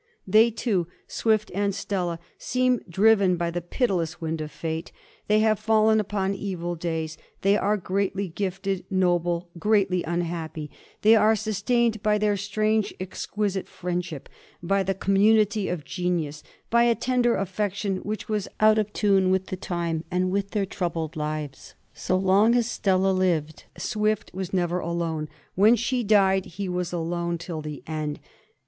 They, too — Swift and Stella — ^seem driven by the pitiless wind of fate ; they have fallen upon evil days; they are greatly gifted, noble, greatly unhappy; they are sustained by their strange, exquisite friendship, by the community of genius, by a tender affection which was out of tune with the time and with their troubled lives. So long as Stella lived Swift was never alone. When she died he was alone till the end.